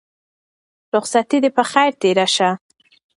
رخصتي دې په خير تېره شه.